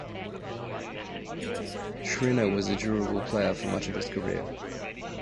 Schriner was a durable player for much of his career.